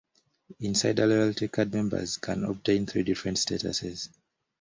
Insider Loyalty card members can obtain three different statuses.